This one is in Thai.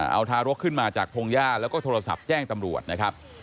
เอาทารกขึ้นมาจากพงหญ้าแล้วก็โทรศัพท์แจ้งตำรวจนะครับ